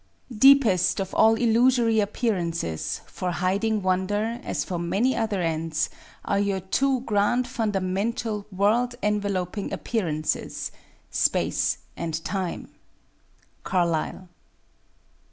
J. Deepest of all illusory Appearances, for hiding Won der, as for many other ends, are your two grand funda mental world enveloping Appearances, Space and Time. — Carlyle.